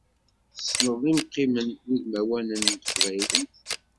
Tessneḍ imqimen udmawanen n teqbaylit?